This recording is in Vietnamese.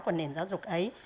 của nền giáo dục ấy